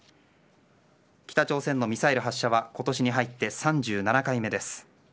北朝鮮のミサイル発射は今年に入って３７回目です。